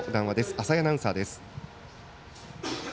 浅井アナウンサーです。